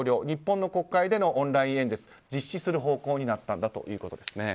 日本の国会でのオンライン演説を実施する方向になったということです。